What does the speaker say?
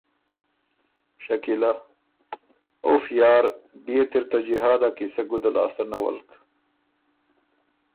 شکیلۀ: ”اُف یار بيې ت اِر ته جهاد ا قیصۀ ګُده لاسته نولک“